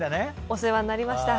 お世話になりました。